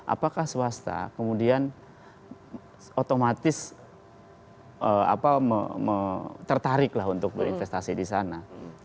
apakah swasta kemudian otomatis tertarik untuk berinvestasi di sana